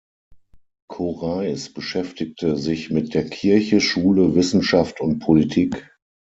Korais beschäftigte sich mit der Kirche, Schule, Wissenschaft und Politik.